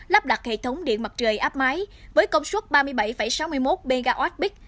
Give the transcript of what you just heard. lắp đặt hệ thống điện mặt trời áp máy với công suất ba mươi bảy sáu mươi một mwp